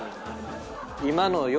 今の。